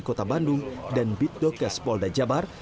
kota bandung dan bitdokes polda jabar